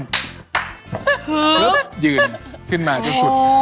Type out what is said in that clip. พึบยืนขึ้นมาจนสุด